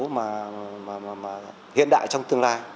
mà hiện đại trong tương lai